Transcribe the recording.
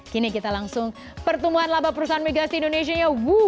kini kita langsung pertemuan laba perusahaan migas di indonesia